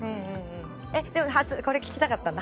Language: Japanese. でも初これ聞きたかったんだ。